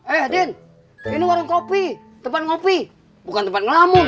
eh din ini warung kopi tempat ngopi bukan tempat ngelamun